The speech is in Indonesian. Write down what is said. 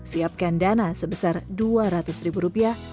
siapkan dana sebesar dua ratus ribu rupiah